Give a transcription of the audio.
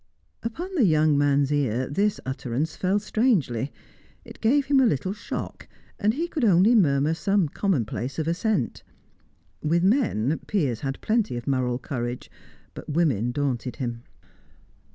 Upon the young man's ear this utterance fell strangely; it gave him a little shock, and he could only murmur some commonplace of assent. With men, Piers had plenty of moral courage, but women daunted him.